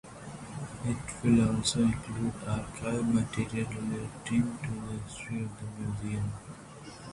It will also include archive material relating to the history of the museum.